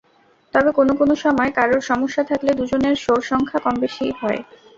তবে কোনো কোনো সময় কারোর সমস্যা থাকলে দুজনের শোর সংখ্যা কমবেশি হয়।